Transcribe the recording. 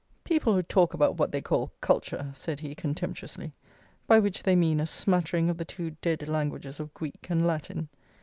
"People who talk about what they call culture!" said he contemptuously; "by which they mean a smattering of the two dead languages of Greek and Latin."